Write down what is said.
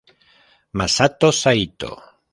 Masato Saito